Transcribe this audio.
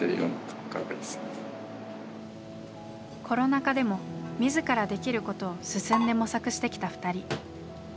コロナ禍でも自らできることを進んで模索してきた２人。